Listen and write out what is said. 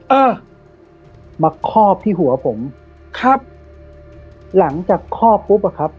เออมาคอบที่หัวผมครับหลังจากคอบปุ๊บอะครับ